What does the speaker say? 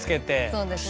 そうですね。